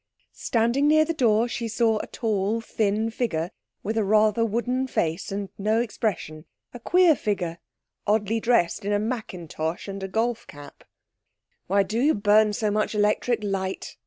Standing near the door she saw a tall, thin figure with a rather wooden face and no expression a queer figure, oddly dressed in a mackintosh and a golf cap. 'Why do you burn so much electric light?'